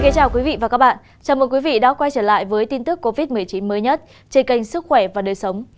chào mừng quý vị đến với quay trở lại với tin tức covid một mươi chín mới nhất trên kênh sức khỏe và đời sống